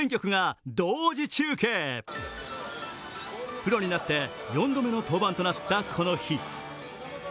プロになって４度目の登板となった、この日。